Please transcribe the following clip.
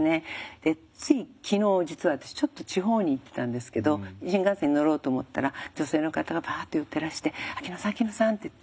でつい昨日実は私ちょっと地方に行ってたんですけど新幹線に乗ろうと思ったら女性の方がバッて寄ってらして「秋野さん秋野さん」って言って。